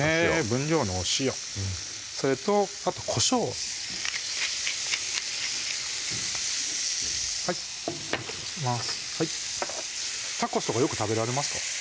分量のお塩それとあとこしょうをはいタコスとかよく食べられますか？